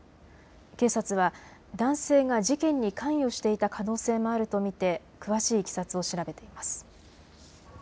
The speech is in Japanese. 警察は男性が事件に関与していた可能性もあると見て詳しいいきさつを調べています。